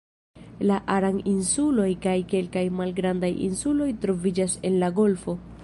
La Aran-insuloj kaj kelkaj malgrandaj insuloj troviĝas en la golfo.